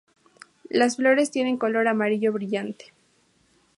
Las flores tienen color amarillo brillante.